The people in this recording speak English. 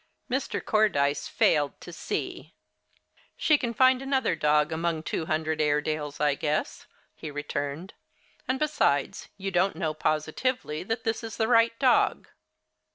Mr. Cordyce failed to "see." "She can find another dog, among two hundred Airedales, I guess," he returned. "And, besides, you don't know positively that this is the right dog."